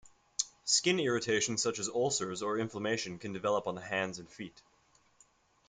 Skin irritations such as ulcers or inflammation can develop on the hands and feet.